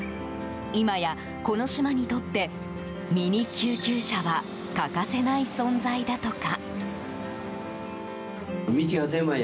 今や、この島にとってミニ救急車は欠かせない存在だとか。